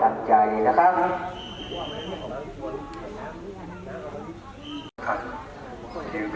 วันดันใจของเราเราว่างภาพดมของเราเนี่ยค่ะ